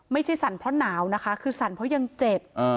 สั่นเพราะหนาวนะคะคือสั่นเพราะยังเจ็บ